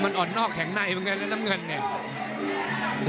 มันอ่อนนอกแข็งในเหมือนกันนะน้ำเงินเนี่ย